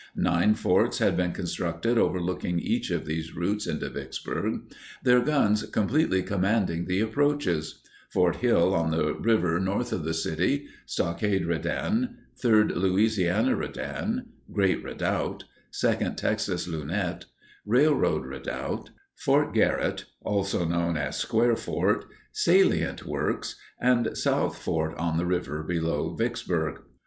Nine forts had been constructed overlooking each of these routes into Vicksburg, their guns completely commanding the approaches—Fort Hill on the river north of the city, Stockade Redan, Third Louisiana Redan, Great Redoubt, Second Texas Lunette, Railroad Redoubt, Fort Garrott (also known as Square Fort), Salient Works, and South Fort on the river below Vicksburg.